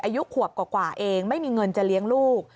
อายุขวบกว่าเองไม่มีเงินจะเลี้ยงลูก